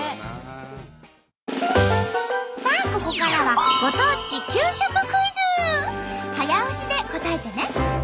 さあここからは早押しで答えてね！